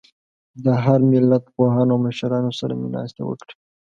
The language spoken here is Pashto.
د هر ملت پوهانو او مشرانو سره مې ناستې وکړې.